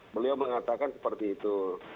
beliau mengatakan seperti itu